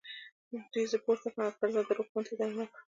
دوی زه پورته کړم او ګرځنده روغتون ته يې دننه کړم.